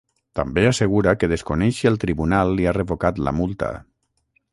També assegura que desconeix si el tribunal li ha revocat la multa.